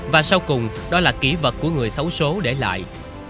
và sau cùng đó là kỷ vật của người xấu số để lại